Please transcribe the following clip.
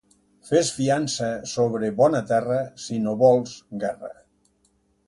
Fes fiança sobre bona terra si no vols guerra.